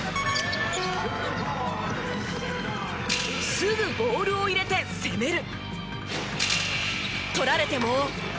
すぐボールを入れて攻める！